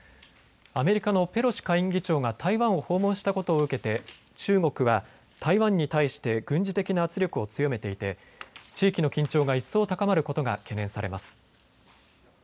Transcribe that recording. アメリカのペロシ下院議長が台湾を訪問したことを受けて中国は台湾に対して軍事的な圧力を強めていて地域の緊張が一層高まることが懸念されます。